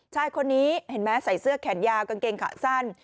ชายคนนี้เห็นไหมใส่เสื้อแขนยาวกางเกงขาสั้น